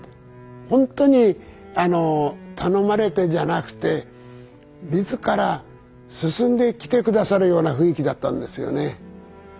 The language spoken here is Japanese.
ほんとに頼まれてじゃなくて自ら進んで来て下さるような雰囲気だったんですよね。